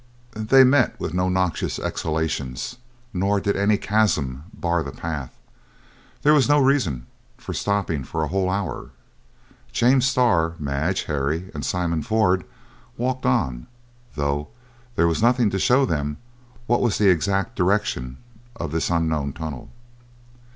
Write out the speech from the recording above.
They met with no noxious exhalations, nor did any chasm bar the path. There was no reason for stopping for a whole hour; James Starr, Madge, Harry, and Simon Ford walked on, though there was nothing to show them what was the exact direction of this unknown tunnel.